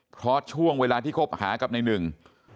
เพราะช่วงเวลาที่คบหากับในหนึ่ง